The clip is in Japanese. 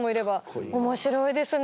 面白いですね。